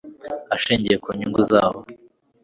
ashingiye ku nyungu zabo